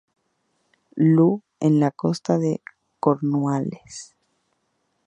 Loo, en la costa de Cornualles.